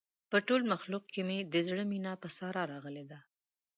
په ټول مخلوق کې مې د زړه مینه په ساره راغلې ده.